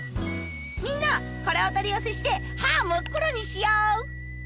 みんなこれお取り寄せして歯真っ黒にしよう！